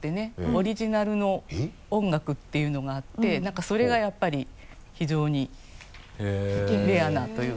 オリジナルの音楽っていうのがあって何かそれがやっぱり非常にレアなというか。